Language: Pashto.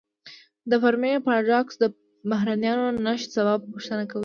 د فرمی پاراډوکس د بهرنیانو د نشت سبب پوښتنه کوي.